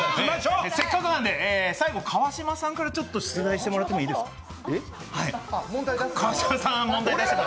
せっかくなんで最後、川島さんから出題してもらってもいいですか。